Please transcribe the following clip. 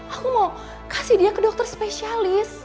aku mau kasih dia ke dokter spesialis